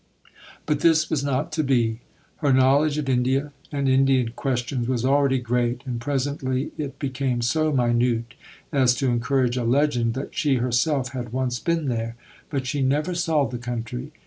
But this was not to be. Her knowledge of India and Indian questions was already great, and presently it became so minute as to encourage a legend that she herself had once been there. But she never saw the country.